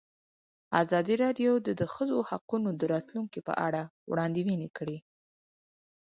ازادي راډیو د د ښځو حقونه د راتلونکې په اړه وړاندوینې کړې.